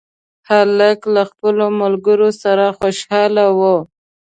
هلک د خپلو ملګرو سره خوشحاله و.